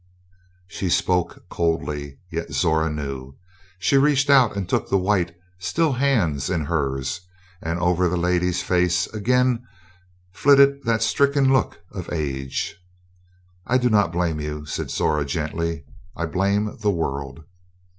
She spoke coldly, yet Zora knew. She reached out and took the white, still hands in hers, and over the lady's face again flitted that stricken look of age. "I do not blame you," said Zora gently. "I blame the world."